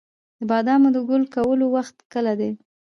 د بادامو د ګل کولو وخت کله دی؟